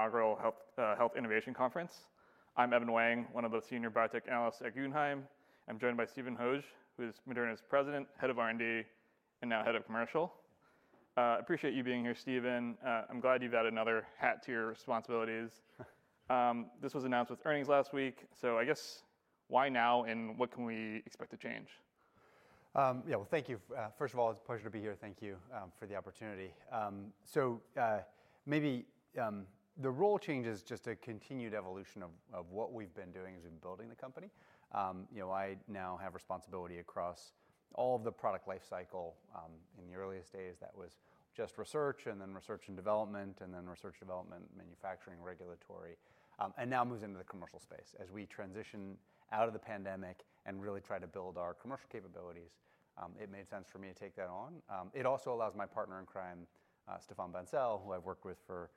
Inaugural Health Innovation Conference. I'm Evan Wang, one of the senior biotech analysts at Guggenheim. I'm joined by Stephen Hoge, who is Moderna's President, Head of R&D, and now Head of Commercial. I appreciate you being here, Stephen. I'm glad you've added another hat to your responsibilities. This was announced with earnings last week. So I guess, why now, and what can we expect to change? Yeah, well, thank you. First of all, it's a pleasure to be here. Thank you for the opportunity. So maybe the role changes just a continued evolution of what we've been doing as we've been building the company. I now have responsibility across all of the product lifecycle. In the earliest days, that was just research, and then research and development, and then research, development, manufacturing, regulatory, and now moves into the commercial space. As we transition out of the pandemic and really try to build our commercial capabilities, it made sense for me to take that on. It also allows my partner in crime, Stéphane Bancel, who I've worked with for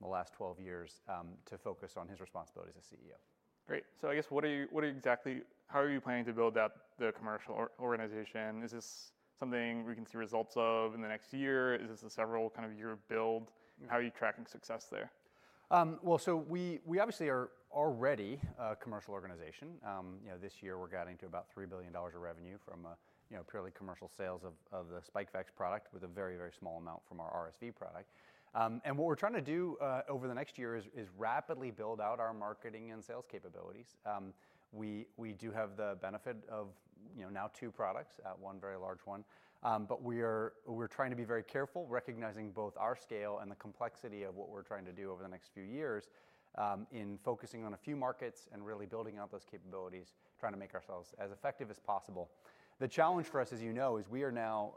the last 12 years, to focus on his responsibilities as CEO. Great. So I guess, what are you exactly? How are you planning to build out the commercial organization? Is this something we can see results of in the next year? Is this a several kind of year build? How are you tracking success there? We obviously are already a commercial organization. This year, we're getting to about $3 billion of revenue from purely commercial sales of the Spikevax product, with a very, very small amount from our RSV product. What we're trying to do over the next year is rapidly build out our marketing and sales capabilities. We do have the benefit of now two products, one very large one. We're trying to be very careful, recognizing both our scale and the complexity of what we're trying to do over the next few years in focusing on a few markets and really building out those capabilities, trying to make ourselves as effective as possible. The challenge for us, as you know, is we are now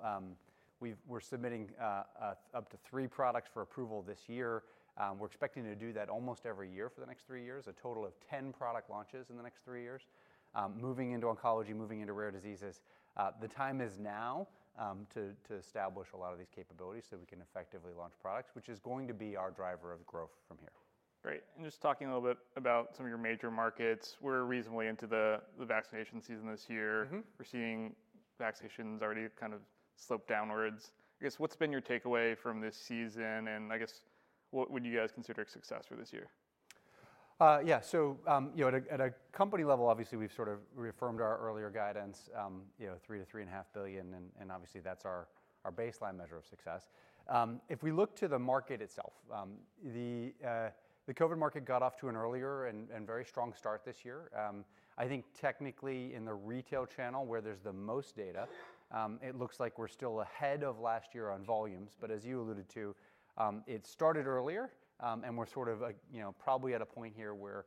submitting up to three products for approval this year. We're expecting to do that almost every year for the next three years, a total of 10 product launches in the next three years, moving into oncology, moving into rare diseases. The time is now to establish a lot of these capabilities so we can effectively launch products, which is going to be our driver of growth from here. Great, and just talking a little bit about some of your major markets, we're reasonably into the vaccination season this year. We're seeing vaccinations already kind of slope downwards. I guess, what's been your takeaway from this season? And I guess, what would you guys consider a success for this year? Yeah, so at a company level, obviously, we've sort of reaffirmed our earlier guidance, $3-$3.5 billion. And obviously, that's our baseline measure of success. If we look to the market itself, the COVID market got off to an earlier and very strong start this year. I think technically, in the retail channel where there's the most data, it looks like we're still ahead of last year on volumes. But as you alluded to, it started earlier. And we're sort of probably at a point here where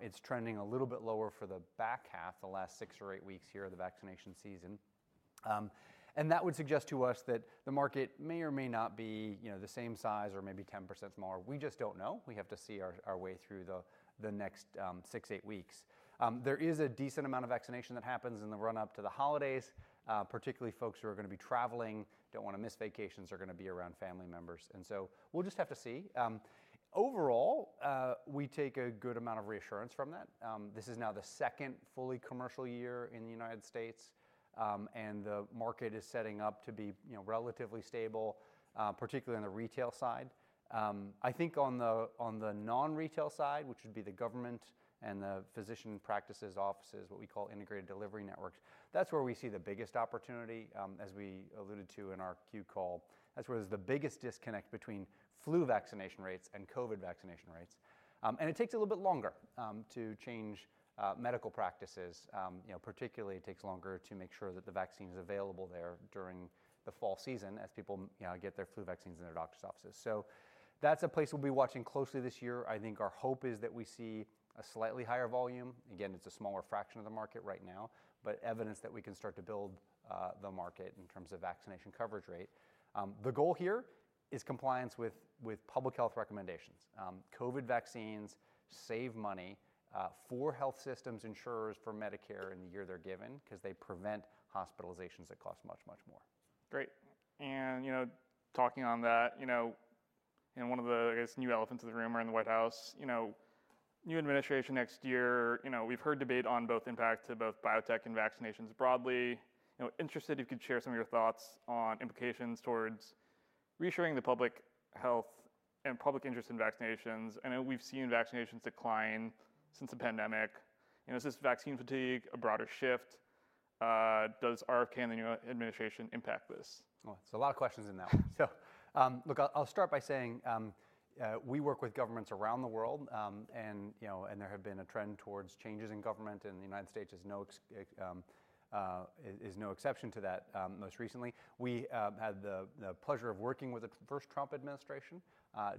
it's trending a little bit lower for the back half, the last six or eight weeks here of the vaccination season. And that would suggest to us that the market may or may not be the same size or maybe 10% smaller. We just don't know. We have to see our way through the next six, eight weeks. There is a decent amount of vaccination that happens in the run-up to the holidays, particularly folks who are going to be traveling, don't want to miss vacations, are going to be around family members, and so we'll just have to see. Overall, we take a good amount of reassurance from that. This is now the second fully commercial year in the United States, and the market is setting up to be relatively stable, particularly on the retail side. I think on the non-retail side, which would be the government and the physician practices offices, what we call integrated delivery networks, that's where we see the biggest opportunity. As we alluded to in our Q call, that's where there's the biggest disconnect between flu vaccination rates and COVID vaccination rates, and it takes a little bit longer to change medical practices. Particularly, it takes longer to make sure that the vaccine is available there during the fall season as people get their flu vaccines in their doctor's offices. So that's a place we'll be watching closely this year. I think our hope is that we see a slightly higher volume. Again, it's a smaller fraction of the market right now, but evidence that we can start to build the market in terms of vaccination coverage rate. The goal here is compliance with public health recommendations. COVID vaccines save money for health systems, insurers, for Medicare in the year they're given because they prevent hospitalizations that cost much, much more. Great. And talking on that, one of the, I guess, new elephants in the room is the White House new administration next year. We've heard debate on both impact to both biotech and vaccinations broadly. Interested if you could share some of your thoughts on implications towards reassuring the public health and public interest in vaccinations. I know we've seen vaccinations decline since the pandemic. Is this vaccine fatigue, a broader shift? Does RFK and the new administration impact this? It's a lot of questions in that one. Look, I'll start by saying we work with governments around the world. And there have been a trend towards changes in government. And the United States is no exception to that. Most recently, we had the pleasure of working with the first Trump administration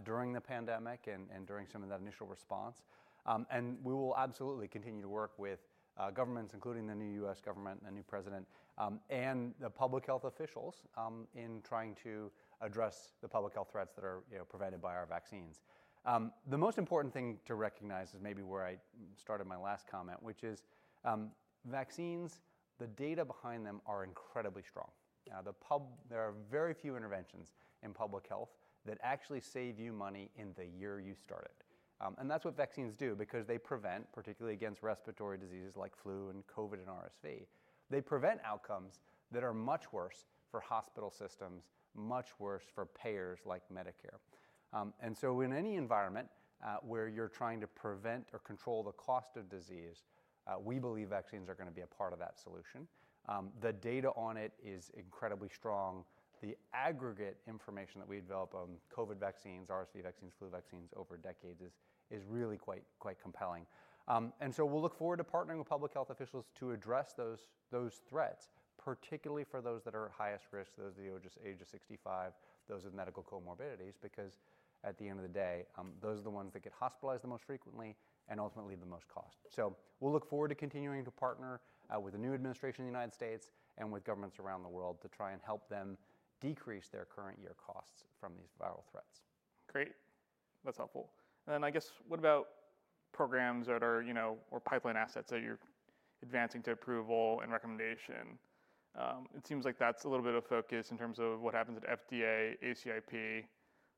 during the pandemic and during some of that initial response. And we will absolutely continue to work with governments, including the new U.S. government and the new president and the public health officials in trying to address the public health threats that are prevented by our vaccines. The most important thing to recognize is maybe where I started my last comment, which is vaccines, the data behind them are incredibly strong. There are very few interventions in public health that actually save you money in the year you started. And that's what vaccines do because they prevent, particularly against respiratory diseases like flu and COVID and RSV, they prevent outcomes that are much worse for hospital systems, much worse for payers like Medicare. And so in any environment where you're trying to prevent or control the cost of disease, we believe vaccines are going to be a part of that solution. The data on it is incredibly strong. The aggregate information that we develop on COVID vaccines, RSV vaccines, flu vaccines over decades is really quite compelling. And so we'll look forward to partnering with public health officials to address those threats, particularly for those that are at highest risk, those of the age of 65, those with medical comorbidities, because at the end of the day, those are the ones that get hospitalized the most frequently and ultimately the most cost. So we'll look forward to continuing to partner with the new administration in the United States and with governments around the world to try and help them decrease their current year costs from these viral threats. Great. That's helpful. And then I guess, what about programs or pipeline assets that you're advancing to approval and recommendation? It seems like that's a little bit of focus in terms of what happens at FDA, ACIP.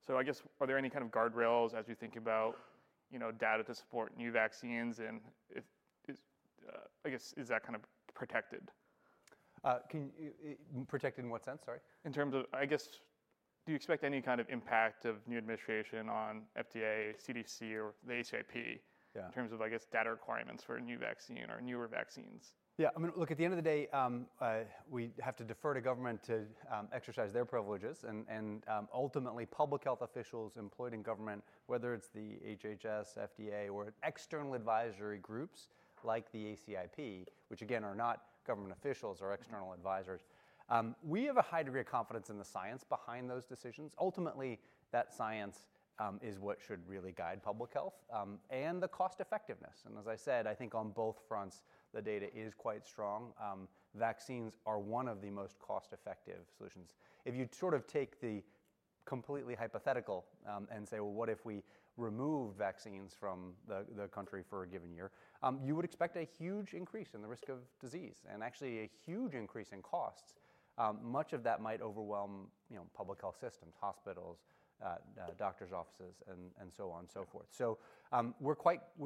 So I guess, are there any kind of guardrails as you think about data to support new vaccines? And I guess, is that kind of protected? Protected in what sense, sorry? In terms of, I guess, do you expect any kind of impact of new administration on FDA, CDC, or the ACIP in terms of, I guess, data requirements for a new vaccine or newer vaccines? Yeah, I mean, look, at the end of the day, we have to defer to government to exercise their privileges. And ultimately, public health officials employed in government, whether it's the HHS, FDA, or external advisory groups like the ACIP, which again, are not government officials or external advisors, we have a high degree of confidence in the science behind those decisions. Ultimately, that science is what should really guide public health and the cost effectiveness. And as I said, I think on both fronts, the data is quite strong. Vaccines are one of the most cost effective solutions. If you sort of take the completely hypothetical and say, well, what if we remove vaccines from the country for a given year, you would expect a huge increase in the risk of disease and actually a huge increase in costs. Much of that might overwhelm public health systems, hospitals, doctors' offices, and so on and so forth, so we're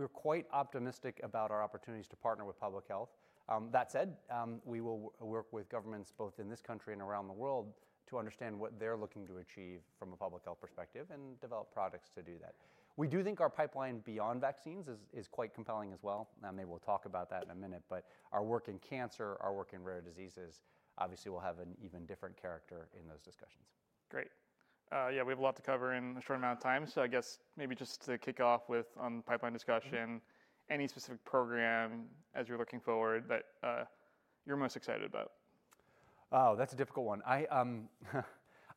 quite optimistic about our opportunities to partner with public health. That said, we will work with governments both in this country and around the world to understand what they're looking to achieve from a public health perspective and develop products to do that. We do think our pipeline beyond vaccines is quite compelling as well, and they will talk about that in a minute, but our work in cancer, our work in rare diseases, obviously, will have an even different character in those discussions. Great. Yeah, we have a lot to cover in a short amount of time. So I guess, maybe just to kick off with on pipeline discussion, any specific program as you're looking forward that you're most excited about? Oh, that's a difficult one.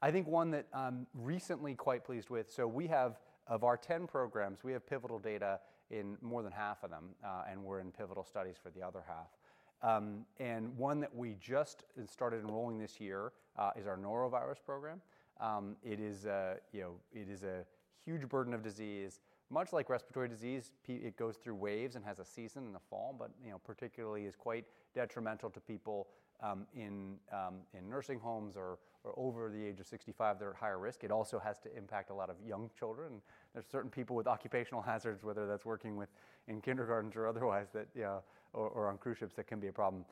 I think one that I'm recently quite pleased with. So we have, of our 10 programs, we have pivotal data in more than half of them, and we're in pivotal studies for the other half, and one that we just started enrolling this year is our norovirus program. It is a huge burden of disease. Much like respiratory disease, it goes through waves and has a season in the fall, but particularly is quite detrimental to people in nursing homes or over the age of 65. They're at higher risk. It also has to impact a lot of young children. There's certain people with occupational hazards, whether that's working in kindergartens or otherwise or on cruise ships, that can be a problem.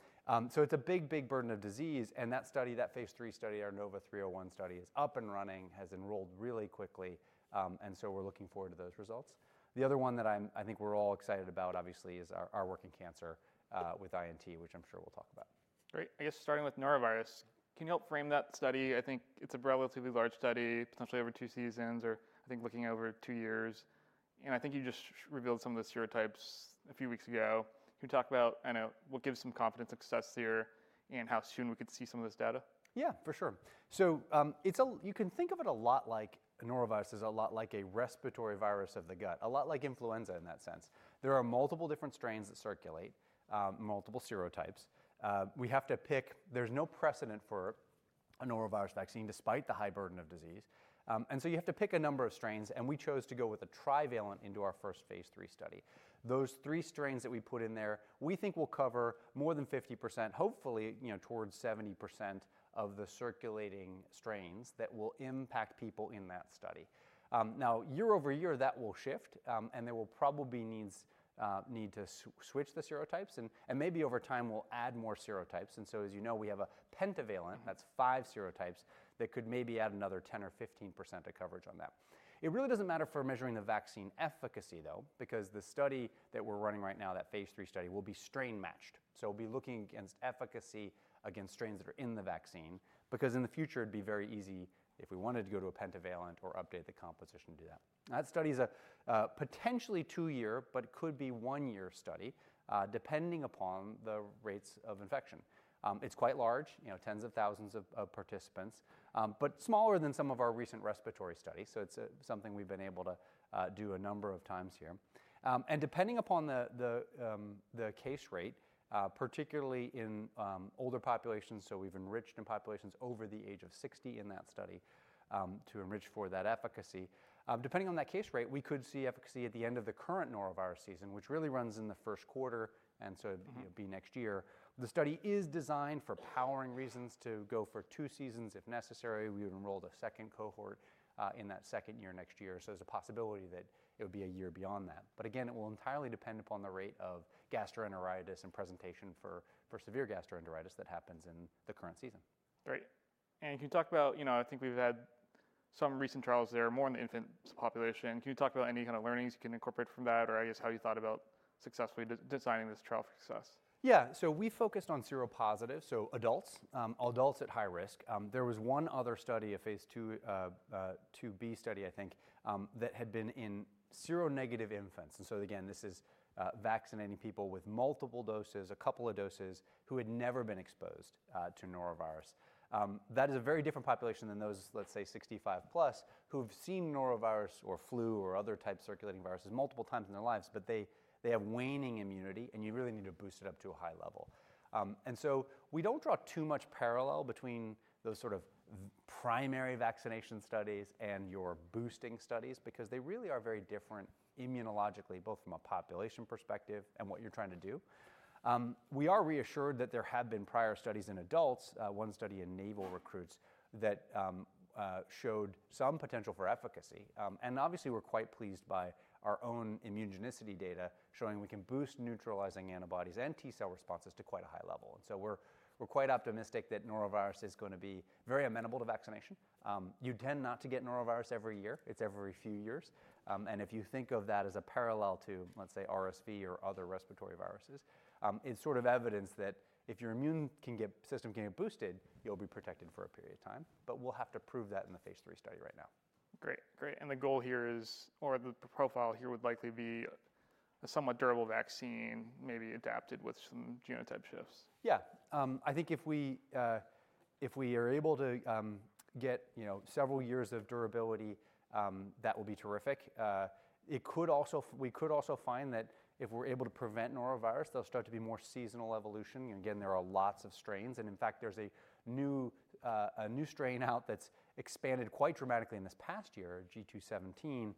So it's a big, big burden of disease. That study, that phase three study, our Nova 301 study, is up and running, has enrolled really quickly. So we're looking forward to those results. The other one that I think we're all excited about, obviously, is our work in cancer with INT, which I'm sure we'll talk about. Great. I guess, starting with norovirus, can you help frame that study? I think it's a relatively large study, potentially over two seasons or I think looking over two years, and I think you just revealed some of the serotypes a few weeks ago. Can you talk about what gives some confidence success here and how soon we could see some of this data? Yeah, for sure. So you can think of it a lot like norovirus is a lot like a respiratory virus of the gut, a lot like influenza in that sense. There are multiple different strains that circulate, multiple serotypes. We have to pick. There's no precedent for a norovirus vaccine despite the high burden of disease. And so you have to pick a number of strains. And we chose to go with a trivalent into our first phase 3 study. Those three strains that we put in there, we think will cover more than 50%, hopefully towards 70% of the circulating strains that will impact people in that study. Now, year over year, that will shift. And there will probably be need to switch the serotypes. And maybe over time, we'll add more serotypes. And so as you know, we have a pentavalent. That's five serotypes that could maybe add another 10 or 15% of coverage on that. It really doesn't matter for measuring the vaccine efficacy, though, because the study that we're running right now, that phase 3 study, will be strain matched. So we'll be looking against efficacy against strains that are in the vaccine because in the future, it'd be very easy if we wanted to go to a pentavalent or update the composition to do that. That study is a potentially two-year, but could be one-year study depending upon the rates of infection. It's quite large, tens of thousands of participants, but smaller than some of our recent respiratory studies. So it's something we've been able to do a number of times here. And depending upon the case rate, particularly in older populations, so we've enriched in populations over the age of 60 in that study to enrich for that efficacy. Depending on that case rate, we could see efficacy at the end of the current norovirus season, which really runs in the first quarter and so be next year. The study is designed for powering reasons to go for two seasons if necessary. We would enroll the second cohort in that second year next year. So there's a possibility that it would be a year beyond that. But again, it will entirely depend upon the rate of gastroenteritis and presentation for severe gastroenteritis that happens in the current season. Great. And can you talk about, I think we've had some recent trials there, more in the infant population? Can you talk about any kind of learnings you can incorporate from that or I guess how you thought about successfully designing this trial for success? Yeah. So we focused on seropositive, so adults, adults at high risk. There was one other study, a phase 2b study, I think, that had been in seronegative infants. And so again, this is vaccinating people with multiple doses, a couple of doses who had never been exposed to norovirus. That is a very different population than those, let's say, 65 plus who have seen norovirus or flu or other types of circulating viruses multiple times in their lives, but they have waning immunity. And you really need to boost it up to a high level. And so we don't draw too much parallel between those sort of primary vaccination studies and your boosting studies because they really are very different immunologically, both from a population perspective and what you're trying to do. We are reassured that there have been prior studies in adults, one study in naval recruits that showed some potential for efficacy, and obviously, we're quite pleased by our own immunogenicity data showing we can boost neutralizing antibodies and T cell responses to quite a high level. And so we're quite optimistic that norovirus is going to be very amenable to vaccination. You tend not to get norovirus every year. It's every few years. And if you think of that as a parallel to, let's say, RSV or other respiratory viruses, it's sort of evidence that if your immune system can get boosted, you'll be protected for a period of time, but we'll have to prove that in the phase three study right now. Great. Great. And the goal here is, or the profile here would likely be a somewhat durable vaccine, maybe adapted with some genotype shifts. Yeah. I think if we are able to get several years of durability, that will be terrific. We could also find that if we're able to prevent norovirus, there'll start to be more seasonal evolution. Again, there are lots of strains. And in fact, there's a new strain out that's expanded quite dramatically in this past year, GII.17.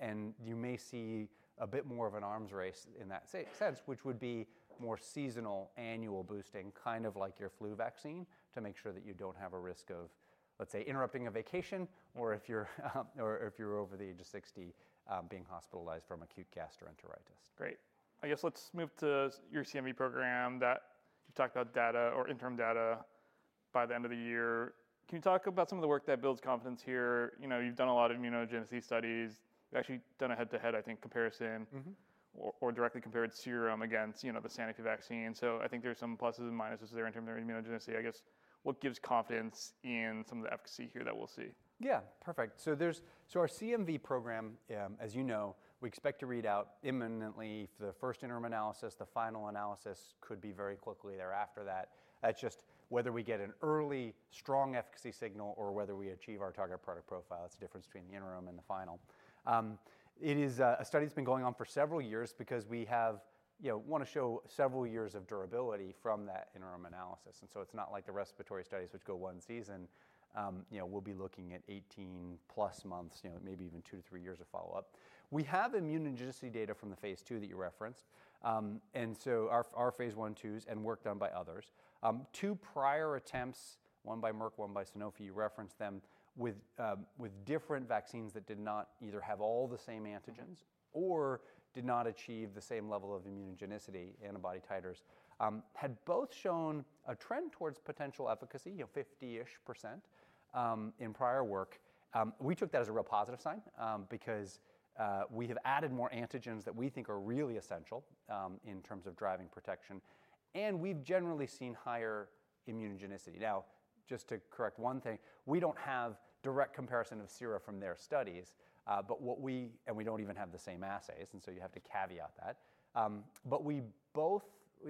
And you may see a bit more of an arms race in that sense, which would be more seasonal annual boosting, kind of like your flu vaccine to make sure that you don't have a risk of, let's say, interrupting a vacation or if you're over the age of 60 being hospitalized from acute gastroenteritis. Great. I guess let's move to your CMV program that you've talked about data or interim data by the end of the year. Can you talk about some of the work that builds confidence here? You've done a lot of immunogenicity studies. You've actually done a head-to-head, I think, comparison or directly compared serum against the Sanofi vaccine. So I think there's some pluses and minuses there in terms of immunogenicity. I guess what gives confidence in some of the efficacy here that we'll see? Yeah, perfect. So our CMV program, as you know, we expect to read out imminently for the first interim analysis. The final analysis could be very quickly thereafter. That's just whether we get an early strong efficacy signal or whether we achieve our target product profile. It's the difference between the interim and the final. It is a study that's been going on for several years because we want to show several years of durability from that interim analysis. And so it's not like the respiratory studies, which go one season. We'll be looking at 18-plus months, maybe even two to three years of follow-up. We have immunogenicity data from the phase 2 that you referenced. And so our phase 1s and 2s and work done by others, two prior attempts, one by Merck, one by Sanofi, you referenced them with different vaccines that did not either have all the same antigens or did not achieve the same level of immunogenicity antibody titers, had both shown a trend towards potential efficacy, 50-ish % in prior work. We took that as a real positive sign because we have added more antigens that we think are really essential in terms of driving protection. And we've generally seen higher immunogenicity. Now, just to correct one thing, we don't have direct comparison of serum from their studies. And we don't even have the same assays. And so you have to caveat that. But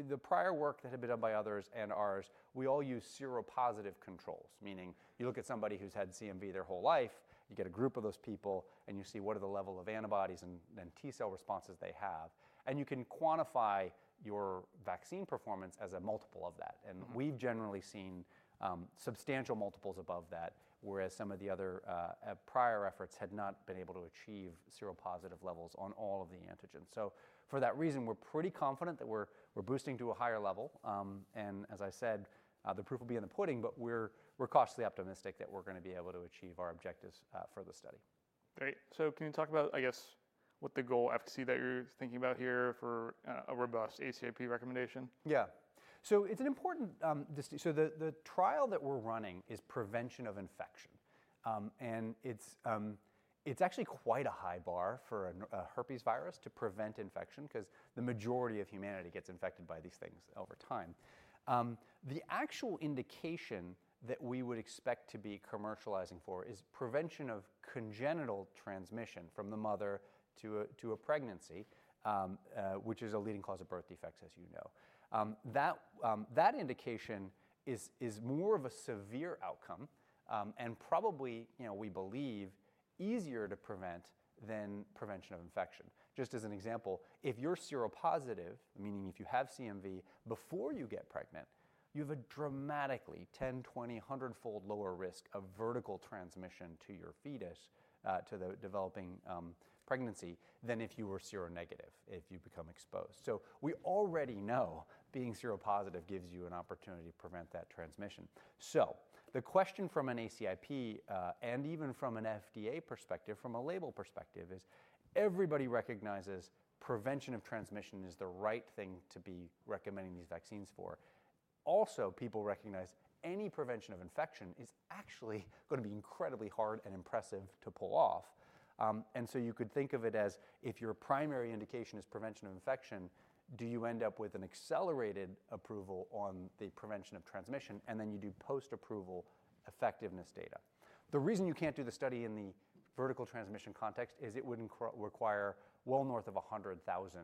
the prior work that had been done by others and ours. We all use seropositive controls, meaning you look at somebody who's had CMV their whole life, you get a group of those people, and you see what are the level of antibodies and T cell responses they have. And you can quantify your vaccine performance as a multiple of that. And we've generally seen substantial multiples above that, whereas some of the other prior efforts had not been able to achieve seropositive levels on all of the antigens. So for that reason, we're pretty confident that we're boosting to a higher level. And as I said, the proof will be in the pudding, but we're cautiously optimistic that we're going to be able to achieve our objectives for the study. Great. So can you talk about, I guess, what the goal efficacy that you're thinking about here for a robust ACIP recommendation? Yeah. So it's an important distinction. So the trial that we're running is prevention of infection. And it's actually quite a high bar for a herpes virus to prevent infection because the majority of humanity gets infected by these things over time. The actual indication that we would expect to be commercializing for is prevention of congenital transmission from the mother to a pregnancy, which is a leading cause of birth defects, as you know. That indication is more of a severe outcome and probably, we believe, easier to prevent than prevention of infection. Just as an example, if you're seropositive, meaning if you have CMV before you get pregnant, you have a dramatically 10, 20, 100-fold lower risk of vertical transmission to your fetus, to the developing pregnancy than if you were seronegative, if you become exposed. So we already know being seropositive gives you an opportunity to prevent that transmission. So the question from an ACIP and even from an FDA perspective, from a label perspective, is everybody recognizes prevention of transmission is the right thing to be recommending these vaccines for. Also, people recognize any prevention of infection is actually going to be incredibly hard and impressive to pull off. And so you could think of it as if your primary indication is prevention of infection, do you end up with an accelerated approval on the prevention of transmission, and then you do post-approval effectiveness data? The reason you can't do the study in the vertical transmission context is it would require well north of 100,000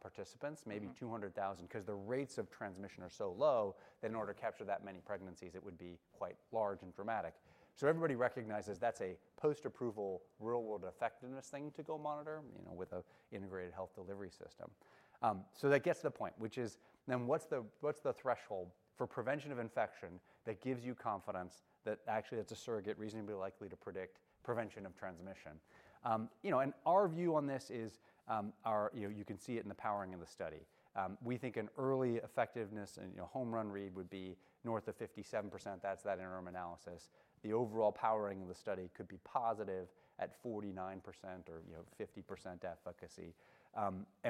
participants, maybe 200,000, because the rates of transmission are so low that in order to capture that many pregnancies, it would be quite large and dramatic. Everybody recognizes that's a post-approval real-world effectiveness thing to go monitor with an integrated health delivery system. That gets to the point, which is then what's the threshold for prevention of infection that gives you confidence that actually it's a surrogate reasonably likely to predict prevention of transmission? Our view on this is you can see it in the powering of the study. We think an early effectiveness and home run read would be north of 57%. That's that interim analysis. The overall powering of the study could be positive at 49% or 50% efficacy.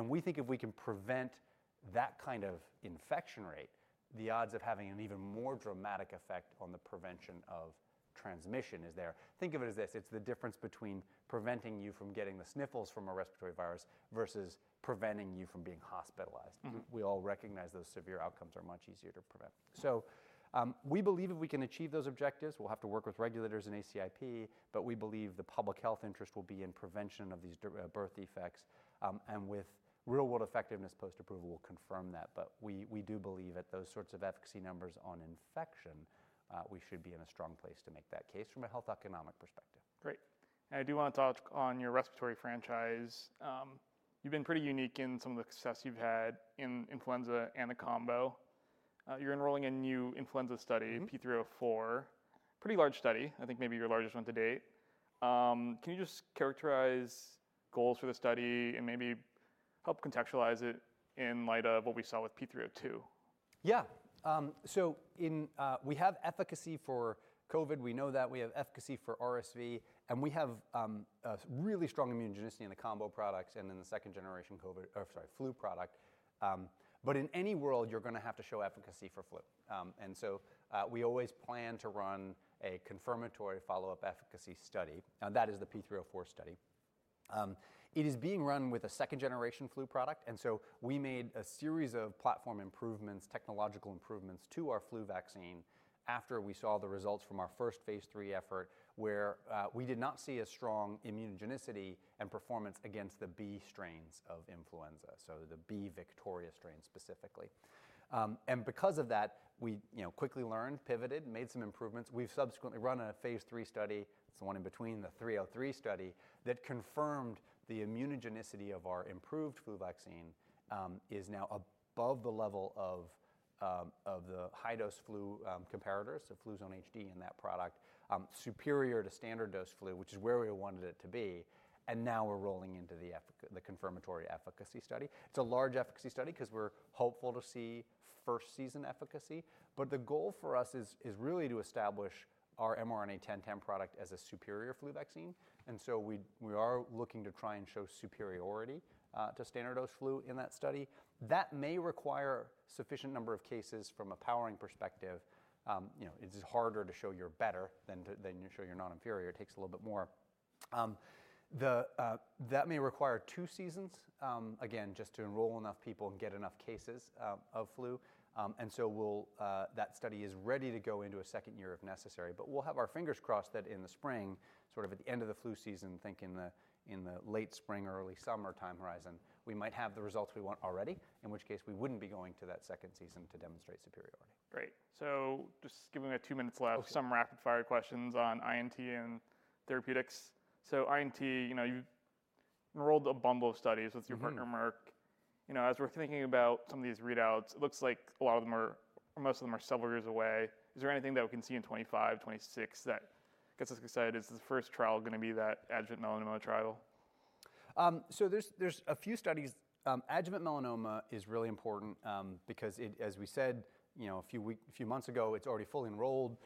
We think if we can prevent that kind of infection rate, the odds of having an even more dramatic effect on the prevention of transmission is there. Think of it as this. It's the difference between preventing you from getting the sniffles from a respiratory virus versus preventing you from being hospitalized. We all recognize those severe outcomes are much easier to prevent. So we believe if we can achieve those objectives, we'll have to work with regulators and ACIP, but we believe the public health interest will be in prevention of these birth defects. And with real-world effectiveness, post-approval will confirm that. But we do believe at those sorts of efficacy numbers on infection, we should be in a strong place to make that case from a health economic perspective. Great, and I do want to talk on your respiratory franchise. You've been pretty unique in some of the success you've had in influenza and the combo. You're enrolling in new influenza study, P304, pretty large study. I think maybe your largest one to date. Can you just characterize goals for the study and maybe help contextualize it in light of what we saw with P302? Yeah. So we have efficacy for COVID. We know that. We have efficacy for RSV. And we have really strong immunogenicity in the combo products and in the second generation COVID, or sorry, flu product. But in any world, you're going to have to show efficacy for flu. And so we always plan to run a confirmatory follow-up efficacy study. That is the P304 study. It is being run with a second generation flu product. And so we made a series of platform improvements, technological improvements to our flu vaccine after we saw the results from our first phase 3 effort, where we did not see a strong immunogenicity and performance against the B strains of influenza, so the B Victoria strain specifically. And because of that, we quickly learned, pivoted, made some improvements. We've subsequently run a phase three study. It's the one in between, the P303 study that confirmed the immunogenicity of our improved flu vaccine is now above the level of the high dose flu comparators, so Fluzone High-Dose in that product, superior to standard dose flu, which is where we wanted it to be. And now we're rolling into the confirmatory efficacy study. It's a large efficacy study because we're hopeful to see first season efficacy. But the goal for us is really to establish our mRNA-1010 product as a superior flu vaccine. And so we are looking to try and show superiority to standard dose flu in that study. That may require a sufficient number of cases from a powering perspective. It's harder to show you're better than to show you're not inferior. It takes a little bit more. That may require two seasons, again, just to enroll enough people and get enough cases of flu. And so that study is ready to go into a second year if necessary. But we'll have our fingers crossed that in the spring, sort of at the end of the flu season, think in the late spring or early summer time horizon, we might have the results we want already, in which case we wouldn't be going to that second season to demonstrate superiority. Great. So just giving a few minutes left, some rapid fire questions on INT and therapeutics. So INT, you enrolled a bundle of studies with your partner, Merck. As we're thinking about some of these readouts, it looks like a lot of them or most of them are several years away. Is there anything that we can see in 2025, 2026 that gets us excited? Is the first trial going to be that adjuvant melanoma trial? So there's a few studies. Adjuvant melanoma is really important because, as we said a few months ago, it's already fully enrolled.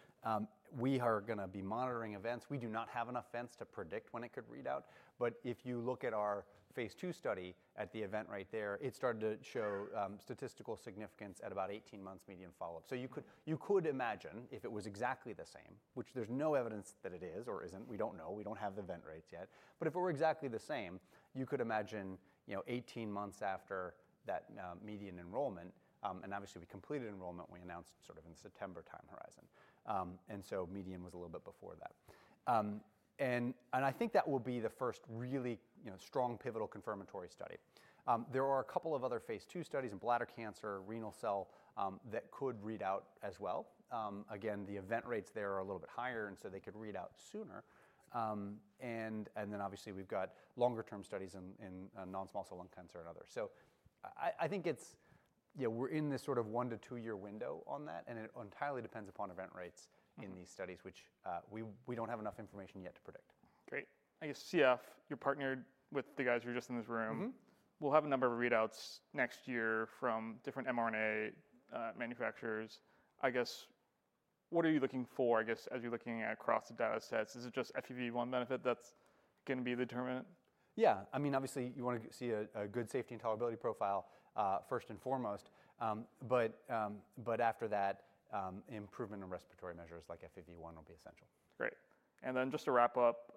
We are going to be monitoring events. We do not have enough events to predict when it could read out. But if you look at our phase 2 study at the event right there, it started to show statistical significance at about 18 months median follow-up. So you could imagine if it was exactly the same, which there's no evidence that it is or isn't. We don't know. We don't have the event rates yet. But if it were exactly the same, you could imagine 18 months after that median enrollment. And obviously, we completed enrollment. We announced sort of in the September time horizon. And so median was a little bit before that. And I think that will be the first really strong pivotal confirmatory study. There are a couple of other phase two studies in bladder cancer, renal cell that could read out as well. Again, the event rates there are a little bit higher, and so they could read out sooner, and then obviously, we've got longer-term studies in non-small cell lung cancer and others, so I think we're in this sort of one- to two-year window on that, and it entirely depends upon event rates in these studies, which we don't have enough information yet to predict. Great. I guess CF, your partner with the guys who are just in this room, will have a number of readouts next year from different mRNA manufacturers. I guess what are you looking for, I guess, as you're looking across the data sets? Is it just FEV1 benefit that's going to be determinant? Yeah. I mean, obviously, you want to see a good safety and tolerability profile first and foremost. But after that, improvement in respiratory measures like FEV1 will be essential. Great. And then just to wrap up,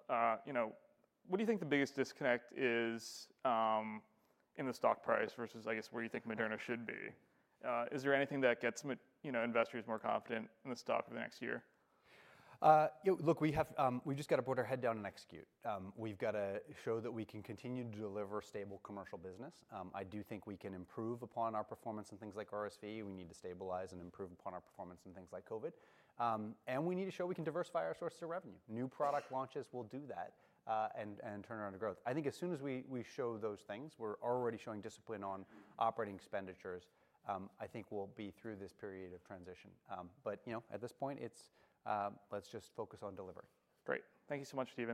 what do you think the biggest disconnect is in the stock price versus, I guess, where you think Moderna should be? Is there anything that gets investors more confident in the stock for the next year? Look, we just got to put our head down and execute. We've got to show that we can continue to deliver stable commercial business. I do think we can improve upon our performance in things like RSV. We need to stabilize and improve upon our performance in things like COVID. And we need to show we can diversify our sources of revenue. New product launches will do that and turn around growth. I think as soon as we show those things, we're already showing discipline on operating expenditures, I think we'll be through this period of transition. But at this point, let's just focus on delivery. Great. Thank you so much for your.